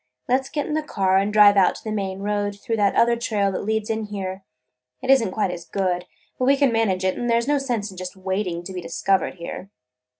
Let 's get in the car and drive out to the main road through that other trail that leads in here. It is n't quite as good, but we can manage it, and there 's no sense in just waiting to be discovered here."